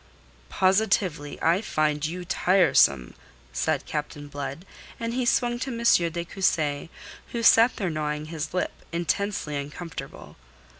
"Positively, I find you tiresome," said Captain Blood, and he swung to M. de Cussy, who sat there gnawing his lip, intensely uncomfortable.